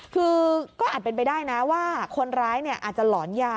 คือก็อาจเป็นไปได้นะว่าคนร้ายอาจจะหลอนยา